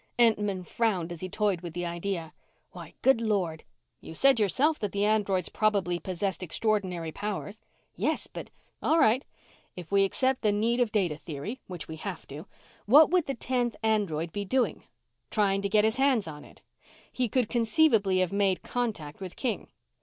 Entman frowned as he toyed with the idea. "Why, good lord !" "You said yourself that the androids probably possessed extraordinary powers." "Yes, but " "All right. If we accept the need of data theory, which we have to, what would the tenth android be doing? Trying to get his hands on it. He could conceivably have made contact with King.